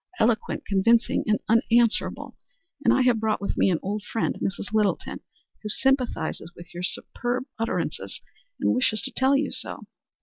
Eloquent, convincing, and unanswerable. And I have brought with me an old friend, Mrs. Littleton, who sympathizes with your superb utterances, and wishes to tell you so."